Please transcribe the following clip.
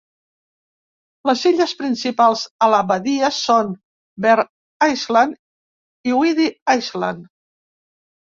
Les illes principals a la badia són Bere Island i Whiddy Island.